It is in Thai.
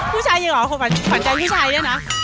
ผู้ชายยังเหรอขวัญใจผู้ชายเนี่ยนะ